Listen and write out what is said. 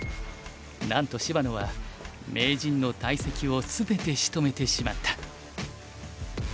なんと芝野は名人の大石を全てしとめてしまった。